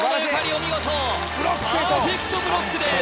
お見事ブロック成功パーフェクトブロックです